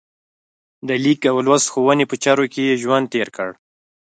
د لیک او لوست ښوونې په چارو کې یې ژوند تېر کړ.